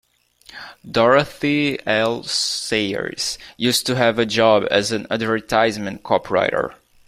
Dorothy L Sayers used to have a job as an advertising copywriter